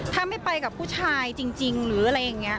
ถ้าไม่ไปกับผู้ชายจริงหรืออะไรอย่างนี้